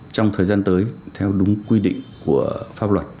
trong thời gian tới theo đúng quy định của pháp luật